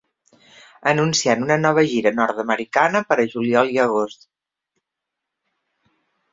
Anunciant una nova gira nord-americana per a juliol i agost.